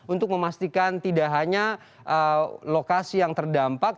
untuk memastikan tidak hanya lokasi yang terdampak